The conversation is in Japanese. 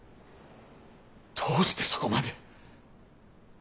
どうしてそこまで？